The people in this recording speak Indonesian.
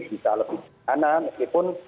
bisa lebih berhena meskipun